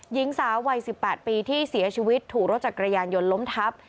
หญิงสาววัย๑๘ปีที่เสียชีวิตถูกรถจักรยานยนต์ล้มทับ